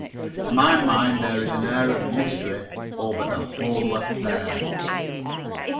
To my mind there is an air of mystery over the whole affair.